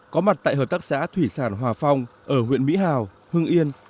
có mặt tại hợp tác xã thủy sản hòa phong ở huyện mỹ hào hưng yên